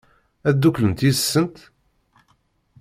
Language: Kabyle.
Ad dduklent yid-sent?